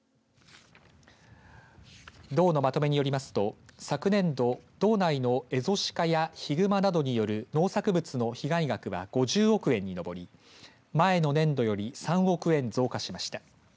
道のまとめによりますと昨年度、道内のエゾシカやヒグマなどによる農作物の被害額は５０億円に上り前の年度より３億円増加しました。